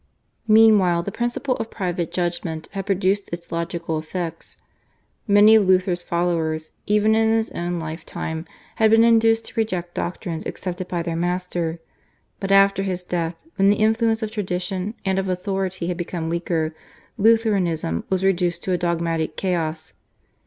Meanwhile, the principle of private judgment had produced its logical effects. Many of Luther's followers, even in his own lifetime, had been induced to reject doctrines accepted by their master, but, after his death, when the influence of Tradition and of authority had become weaker, Lutheranism was reduced to a dogmatic chaos.